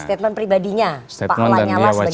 statement pribadinya pak alanya was